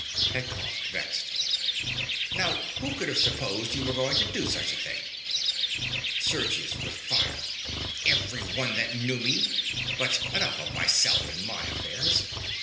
PETKOFF. (vexed). Now who could have supposed you were going to do such a thing? SERGIUS. (with fire). Everyone that knew me. But enough of myself and my affairs.